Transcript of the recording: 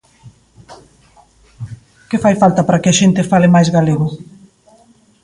Que fai falta para que a xente fale máis galego?